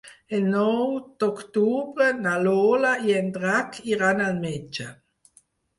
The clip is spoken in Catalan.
El nou d'octubre na Lola i en Drac iran al metge.